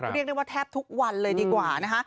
เรียกได้ว่าแทบทุกวันเลยดีกว่านะคะ